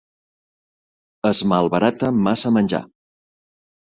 Es malbarata massa menjar.